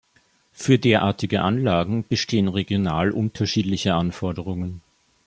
Für derartige Anlagen bestehen regional unterschiedliche Anforderungen.